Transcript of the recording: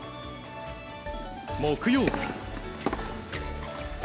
木曜日。